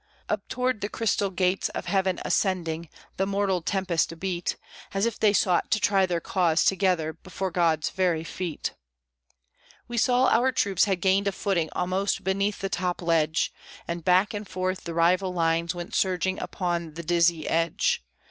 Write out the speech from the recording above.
Up towards the crystal gates of heaven ascending, the mortal tempest beat, As if they sought to try their cause together before God's very feet. We saw our troops had gained a footing almost beneath the topmost ledge, And back and forth the rival lines went surging upon the dizzy edge.